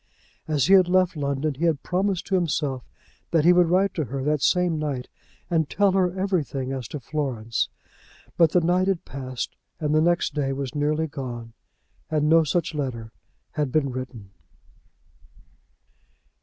As he had left London he had promised to himself that he would write to her that same night and tell her everything as to Florence; but the night had passed, and the next day was nearly gone, and no such letter had been written.